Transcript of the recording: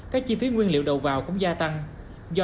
các chi phí nguyên liệu đầu vào cũng gia tăng do